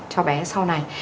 cho bé sau này